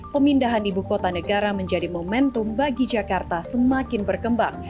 pemindahan ibu kota negara menjadi momentum bagi jakarta semakin berkembang